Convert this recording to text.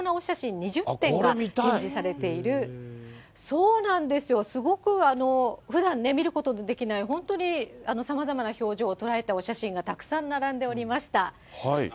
そうなんですよ、すごくふだん見ることのできない、本当にさまざまな表情を捉えたお写真がたくさん並んでおりました。